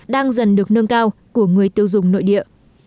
đang dần được nâng cao của người tiêu dùng nội địa